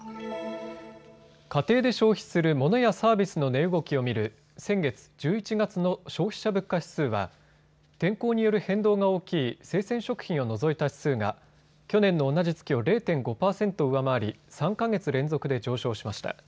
家庭で消費するモノやサービスの値動きを見る先月１１月の消費者物価指数は天候による変動が大きい生鮮食品を除いた指数が去年の同じ月を０．５％上回り３か月連続で上昇しました。